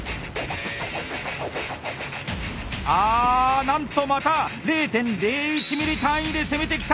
あなんとまた０．０１ｍｍ単位で攻めてきた！